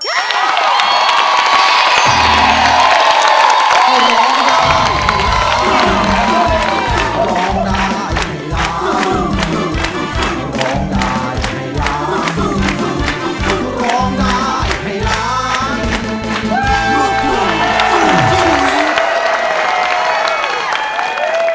ไข่ล้างลูกหลุมสู่จุลิ